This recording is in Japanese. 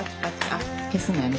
あっ消すのよね